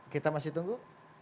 kita masih tunggu